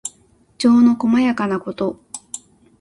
情のこまやかなこと。